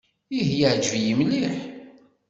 Ih, yeɛjeb-iyi mliḥ.